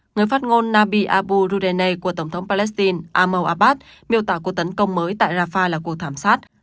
người phát ngôn nabi abu ruenei của tổng thống palestine ahmau abbas miêu tả cuộc tấn công mới tại rafah là cuộc thảm sát